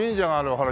ほら。